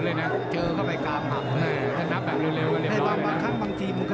เขาเจ้าของไอ้เจ้าพุพุ